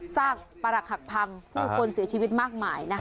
ซากประหลักหักพังผู้คนเสียชีวิตมากมายนะคะ